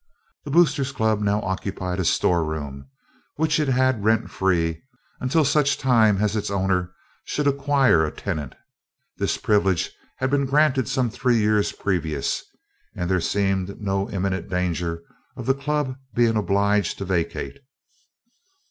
The Boosters Club now occupied a storeroom which it had rent free until such time as its owner should acquire a tenant. This privilege had been granted some three years previous, and there seemed no imminent danger of the club being obliged to vacate.